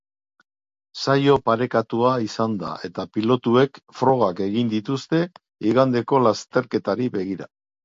Saio parekatua izan da eta pilotuek frogak egin dituzte igandeko lasterketari begira.